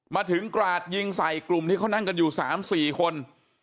มาถึงกราดยิงใส่กลุ่มที่เขานั่งกันอยู่๓๔คน